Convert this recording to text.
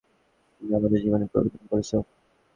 তুমি আমাদের জীবন পরিবর্তন করেছো।